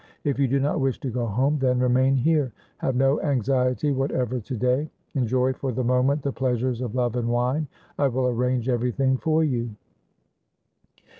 If you do not wish to go home, then remain here. Have no anxiety whatever to day. Enjoy for the moment the pleasures of love and wine. I will arrange everything for you.'